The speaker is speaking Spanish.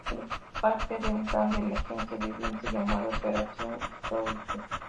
Es parte de un plan de emergencia de Vince, llamado "Operación Slaughter".